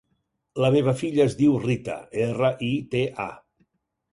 La meva filla es diu Rita: erra, i, te, a.